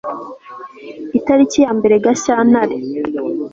itariki ya mbere gashyantare ()